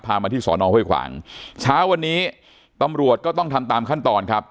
มาที่สอนองห้วยขวางเช้าวันนี้ตำรวจก็ต้องทำตามขั้นตอนครับ